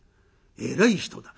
えらい人だ。